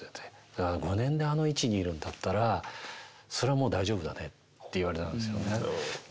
「５年であの位置にいるんだったらそれはもう大丈夫だね」って言われたんですよね。